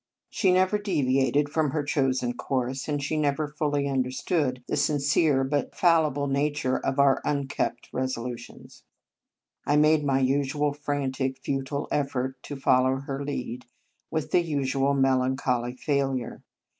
She never deviated from her chosen course, and she never fully understood the sincere but falli ble nature of our unkept resolutions. I made my usual frantic, futile effort to follow her lead, with the usual melancholy failure.